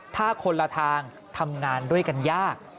ถ้าคนละทางทำงานด้วยกันยาก